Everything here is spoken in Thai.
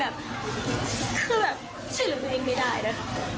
คือแบบชินละหนูเองไม่ได้นะ